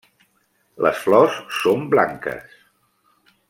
Les flors són blanques.